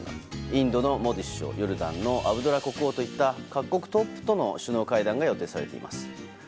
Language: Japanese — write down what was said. インドのモディ首相ヨルダンのアブドラ国王といった各国トップとの首脳会談が予定されています。